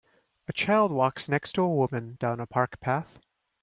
A child walks next to a woman down a park path.